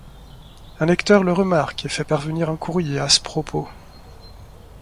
Un lecteur le remarque et fait parvenir un courrier à ce propos.